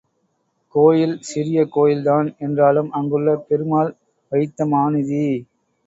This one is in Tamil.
கோயில் சிறிய கோயில் தான் என்றாலும், அங்குள்ள பெருமாள் வைத்தமாநிதி.